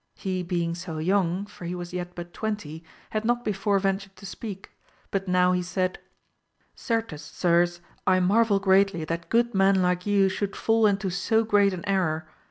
He being so young, for he was yet but twenty, had not before ventured to speak: but now he said, Certes sirs I marvel greatly that good men like you should fall into so great an error